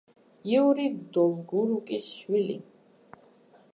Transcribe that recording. იური დოლგორუკის შვილი.